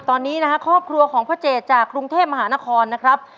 ตอนนี้นะฮะครอบครัวของพ่อเจดจากกรุงเทพมหานครนะครับ